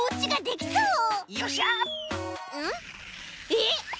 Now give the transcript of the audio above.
えっ！